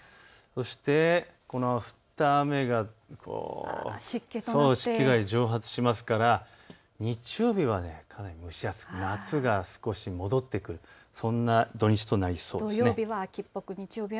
そして降った雨が湿気となり蒸発するので日曜日はかなり蒸し暑くなり夏が少し戻ってくる、そんな土日となりそうです。